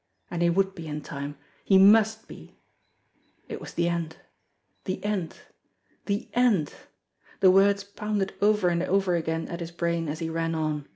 And he would be in time ! He must be ! It was the end ! The end ! The end ! The words pounded over and over again at his brain, as he ran on.